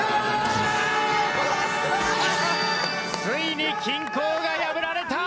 ついに均衡が破られた！